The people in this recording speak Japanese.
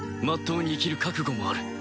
まっとうに生きる覚悟もある。